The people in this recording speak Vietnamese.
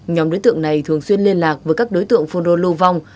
nhóm đối tượng này thường xuyên liên lạc với các đối tượng phôn đô lô vong